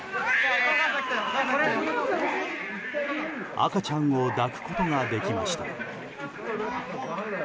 赤ちゃんを抱くことができました。